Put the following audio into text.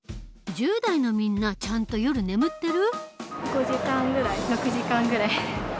１０代のみんなちゃんと夜眠ってる？